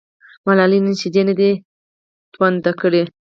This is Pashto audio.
ملالۍ نن شیدې نه دي تونه کړي.